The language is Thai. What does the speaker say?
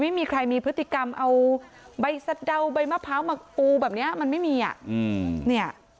ไม่มีใครมีพฤติกรรมเอาใบสะเดาใบมะพร้าวมาปูแบบเนี้ยมันไม่มีอ่ะอืมเนี่ย